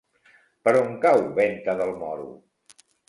Per on cau Venta del Moro?